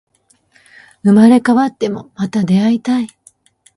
生まれ変わっても、また出会いたい